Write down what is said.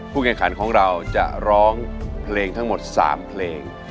แข่งขันของเราจะร้องเพลงทั้งหมด๓เพลง